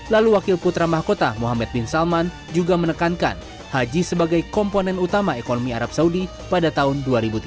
lalu wakil putra mahkota muhammad bin salman juga menekankan haji sebagai komponen utama ekonomi arab saudi pada tahun dua ribu tujuh belas